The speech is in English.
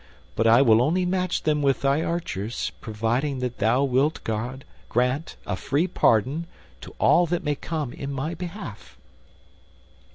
But I will only match them with thy archers providing that thou wilt grant a free pardon to all that may come in my behalf."